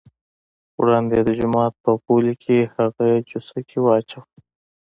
وړاندې یې د جومات په غولي کې هغه جوسه کې واچوه.